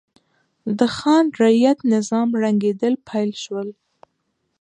د خان رعیت نظام ړنګېدل پیل شول.